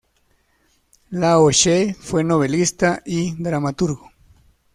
Lao She fue novelista y dramaturgo.